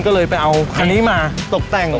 ก็เลยไปเอารสแหย่นี้มาตกแต่ง